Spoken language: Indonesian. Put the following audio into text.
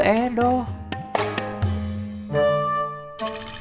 makasih braceletku yes